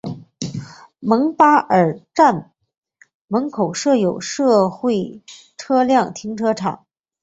蒙巴尔站门口设有社会车辆停车场。